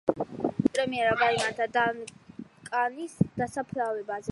სიმღერის პრემიერა გაიმართა დანკანის დასაფლავებაზე.